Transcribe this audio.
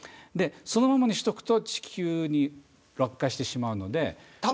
そのままにしておくと地球に落下してしまうので。